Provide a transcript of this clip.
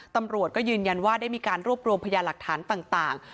ตำรวจก็ยืนยันว่าได้มีการรวบรวมพยาหลักฐานต่าง